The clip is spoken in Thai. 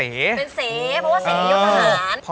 เพราะว่าเสพเพยกอาหาร